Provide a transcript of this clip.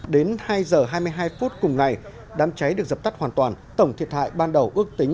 đến hai giờ hai mươi hai phút cùng ngày đám cháy được dập tắt hoàn toàn tổng thiệt hại ban đầu ước tính hơn hai tỷ đồng